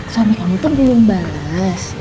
suami kamu tuh belum bales